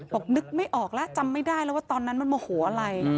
บอกนึกไม่ออกแล้วจำไม่ได้แล้วว่าตอนนั้นมันโมโหอะไร